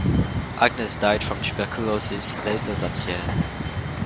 Agnes died from tuberculosis later that year.